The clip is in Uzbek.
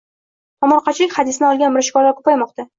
Tomorqachilik hadisini olgan mirishkorlar ko‘paymoqda